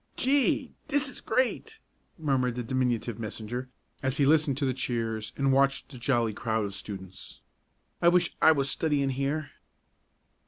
"Gee! Dis is great!" murmured the diminutive messenger, as he listened to the cheers and watched the jolly crowd of students. "I wish I was studyin' here!"